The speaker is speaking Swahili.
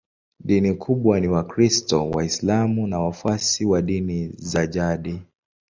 Dini kubwa ni Wakristo, Waislamu na wafuasi wa dini za jadi.